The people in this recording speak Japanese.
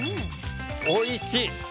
おいしい！